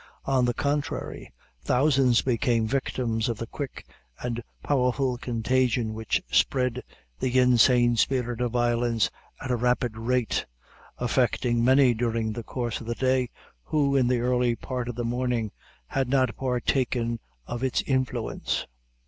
On the contrary, thousands became victims of a quick and powerful contagion which spread the insane spirit of violence at a rapid rate, affecting many during the course of the day, who in the early part of the morning had not partaken of its influence.